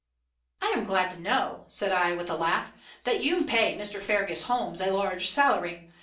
"I am glad to know," said I, with a laugh, "that you pay Mr. Fergus Holmes a large salary.